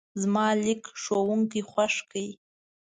زما لیک ښوونکی خوښ کړ.